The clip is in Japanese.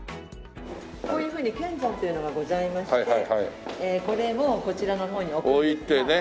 こういうふうに剣山というのがございましてこれをこちらの方に置くんですが。